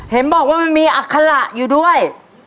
เห็นบอกว่ามันมีอัคระอยู่ด้วย